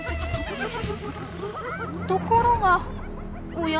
ところがおや？